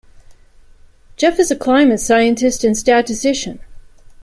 Jeff is a climate scientist and statistician.